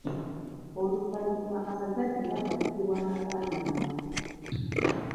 Oluvannyuma abazadde bagattibwa n'abaana baabwe.